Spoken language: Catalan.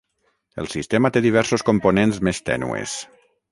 El sistema té diversos components més tènues.